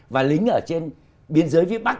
và lính ở trên biên giới phía bắc